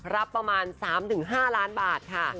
ประมาณ๓๕ล้านบาทค่ะ